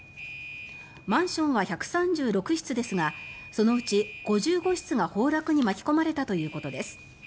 マンションは１３６室ですがそのうち５５室が崩落に巻き込まれたということです。